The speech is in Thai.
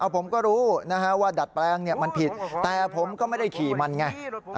ผมก็รู้ว่าดัดแปลงมันผิดแต่ผมก็ไม่ได้ขี่มันไง